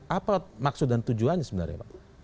apa maksud dan tujuannya sebenarnya pak